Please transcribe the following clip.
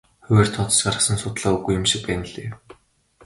Хувиар тооцож гаргасан судалгаа үгүй юм шиг байна лээ.